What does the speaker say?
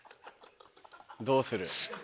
どうする？